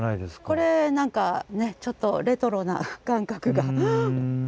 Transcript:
これ何かちょっとレトロな感覚が。